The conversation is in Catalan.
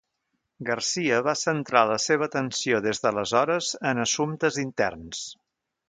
Garcia va centrar la seva atenció des d'aleshores en assumptes interns.